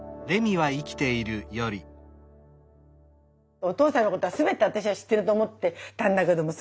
お父さんのことは全て私は知ってると思ってたんだけどもさ